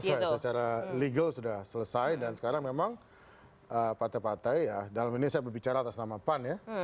sesuai secara legal sudah selesai dan sekarang memang partai partai ya dalam ini saya berbicara atas nama pan ya